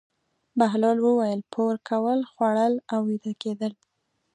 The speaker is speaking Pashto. بهلول وویل: پور کول، خوړل او ویده کېدل.